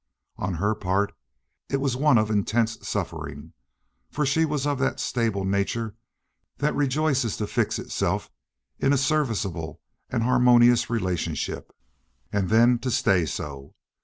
On her part it was one of intense suffering, for she was of that stable nature that rejoices to fix itself in a serviceable and harmonious relationship, and then stay so.